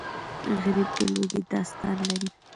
غریب د لوږې داستان لري